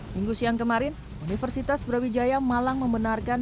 minggu siang kemarin universitas brawijaya malang membenarkan